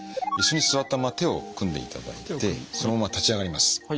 椅子に座ったまま手を組んでいただいてそのまま立ち上がります。